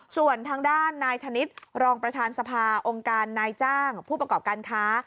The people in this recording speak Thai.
ส่วนทางด้านนายธนิษฐ์รองประธานสภาองค์การนายจ้างผู้ประกอบการค้า